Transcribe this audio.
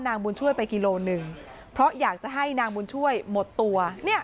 นางบุญช่วยไปกิโลหนึ่งเพราะอยากจะให้นางบุญช่วยหมดตัวเนี่ย